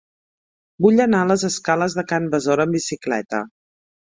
Vull anar a les escales de Can Besora amb bicicleta.